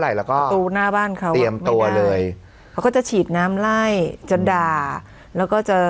แล้วก็ประตูหน้าบ้านเขาเตรียมตัวเลยเขาก็จะฉีดน้ำไล่จะด่าแล้วก็จะ